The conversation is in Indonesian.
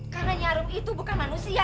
karena nyi arum itu bukan manusia